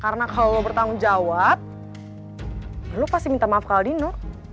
karena kalau lo bertanggung jawab lo pasti minta maaf ke aldino